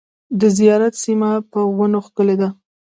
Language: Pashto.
د زیارت سیمه په ونو ښکلې ده .